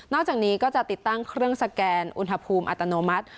จากนี้ก็จะติดตั้งเครื่องสแกนอุณหภูมิอัตโนมัติ